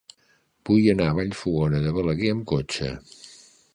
Vull anar a Vallfogona de Balaguer amb cotxe.